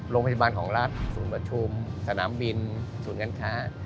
โรงพยาบาลของรัฐศูนย์ประชุมสนามบินศูนย์การค้า